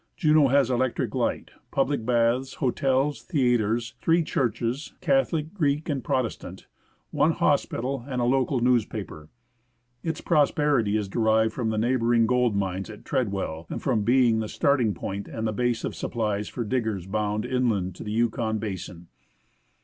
Juneau has electric light, public baths, hotels, theatres, three churches — Catholic, Greek, and Protestant — one hospital, and a local newspaper. Its prosperity is derived from the neighbouring gold mines at Treadwell, and from being the starting point and A STREET IN JUNEAU. base of supplies for diggers bound inland to the Yukon basin.